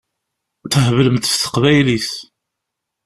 Theblemt ɣef teqbaylit.